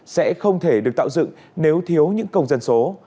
sẽ không thể được tạo dựng nếu thiếu những công dân số